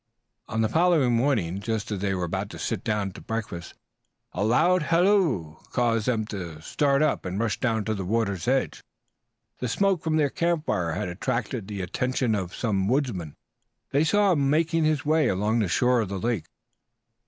On the following morning just as they were about to sit down to breakfast a loud halloo caused them to start up and rush down to the water's edge. The smoke from their campfire had attracted the attention of some woodsman. They saw him making his way along the shore of the lake.